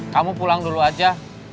kamu pulang dulu aja